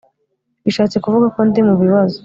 bishatse kuvuga ko ndi mubibazo